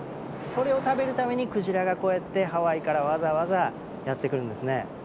それを食べるためにクジラがこうやってハワイからわざわざやって来るんですね。